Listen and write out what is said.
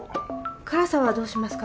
辛さはどうしますか？